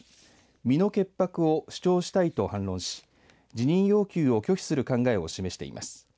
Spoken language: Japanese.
身の潔白を主張したいと反論し辞任要求を拒否する考えを示しています。